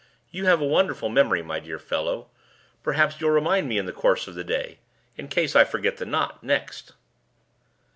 You have a wonderful memory, my dear fellow. Perhaps you'll remind me in the course of the day, in case I forget the knot next."